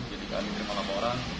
jadi kami terima laporan